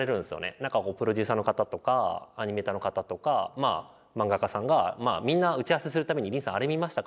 何かプロデューサーの方とかアニメーターの方とか漫画家さんがみんな打ち合わせする度に「林さんあれ見ましたか？」